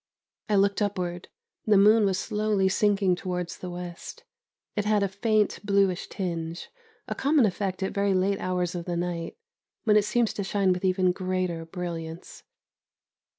I looked upward; the moon was slowly sinking towards the west; it had a faint bluish tinge, a common effect at very late hours of the night, when it seems to shine with even greater brilliance.